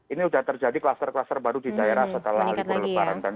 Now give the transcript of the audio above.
ini sudah terjadi kluster kluster baru di daerah setelah libur lebaran